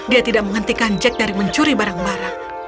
dia tidak menghentikan jack dari mencuri barang barang